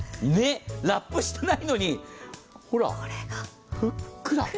ラップしてないのにほら、ふっくら。